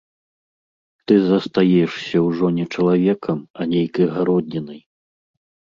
Ты застаешся ўжо не чалавекам, а нейкай гароднінай.